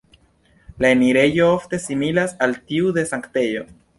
La enirejo ofte similas al tiu de sanktejo.